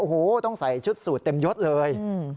โอ้โหต้องใส่ชุดสูตรเต็มยดเลย